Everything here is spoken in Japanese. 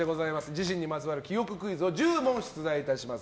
自身にまつわる記憶クイズを１０問出題します。